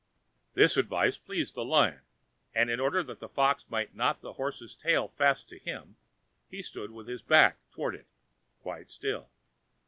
This advice pleased the lion, and, in order that the fox might knot the horse's tail fast to him, he stood with his back toward it, quite still.